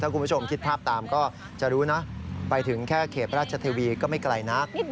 คุณผู้ชมคิดภาพตามก็จะรู้นะไปถึงแค่เขตราชเทวีก็ไม่ไกลนัก